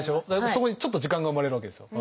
そこにちょっと時間が生まれるわけですよ。